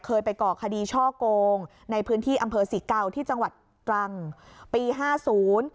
เคยไปก่อคดีช่อโกงในพื้นที่อำเภอศรีเก่าที่จังหวัดตรังปีห้าศูนย์